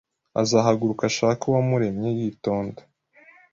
Azahaguruka ashake uwamuremye yitonda